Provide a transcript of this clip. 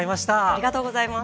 ありがとうございます。